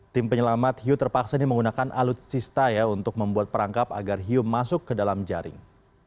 tim penyelamat hiu terpaksa menggunakan alutsista ya untuk membuat perangkap agar hiu masuk ke dalam jaring